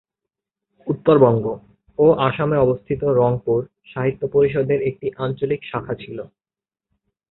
উত্তরবঙ্গ ও আসামে অবস্থিত রংপুর সাহিত্য পরিষদের একটি আঞ্চলিক শাখা ছিল।